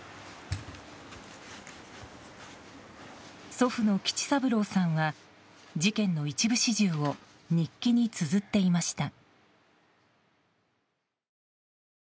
祖父の吉三郎さんは事件の一部始終を日記につづっていました。